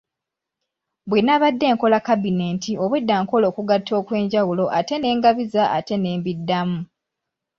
Bwe nabadde nkola kabineeti obwedda nkola okugatta okwenjawulo ate ne ngabiza ate ne mbiddamu.